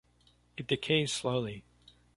It decays slowly.